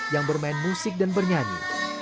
yang bermain musik dan bernyanyi